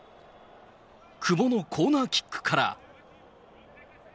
久保のコーナーキックから。